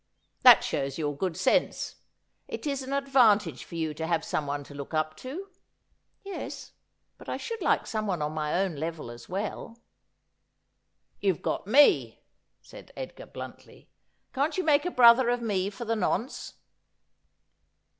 ' That shows your good sense. It is an advantage for you to have someone to look up to.' ' Yes ; but I should like someone on my own level as well.' ' You've got me,' said Edgar bluntly. ' Can't you make a brother of me for the nonce